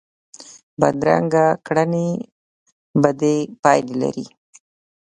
بدرنګه کړنې بدې پایلې لري